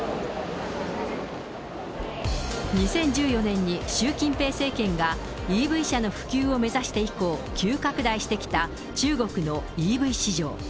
２０１４年に習近平政権がＥＶ車の普及を目指して以降、急拡大してきた中国のＥＶ市場。